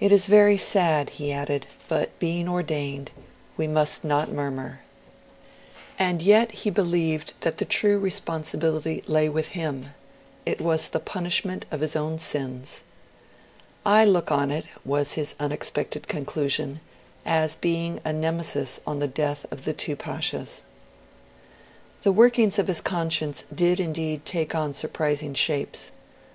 'It is very sad,' he added, 'but being ordained, we must not murmur.' And yet he believed that the true responsibility lay with him; it was the punishment of his own sins. 'I look on it,' was his unexpected conclusion, 'as being a Nemesis on the death of the two Pashas.' The workings of his conscience did indeed take on surprising shapes.